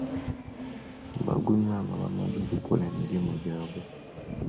Bagunywa nga bamaze okukola emirimu gyabwe.